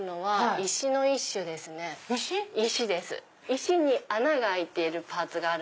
石に穴が開いているパーツがある。